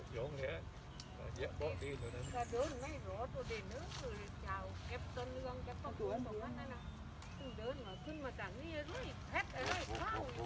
เย็น